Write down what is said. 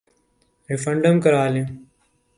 Referendum کروا لیں۔